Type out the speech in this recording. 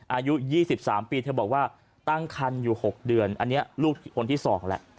อายุ๒๓ปีเธอบอกว่าตั้งคันอยู่๖เดือนอันนี้ลูกคนที่๒แหละ